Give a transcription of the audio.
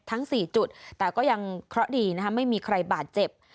ทั้ง๔จุดแต่ก็ยังเคราะห์ดีนะคะไม่มีใครบาดเจ็บ